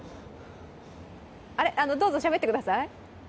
どうぞしゃべってください。